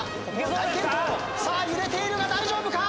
揺れているが大丈夫か！？